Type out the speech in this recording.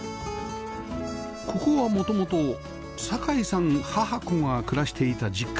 ここは元々酒井さん母子が暮らしていた実家